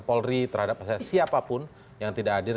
polri terhadap siapapun yang tidak hadir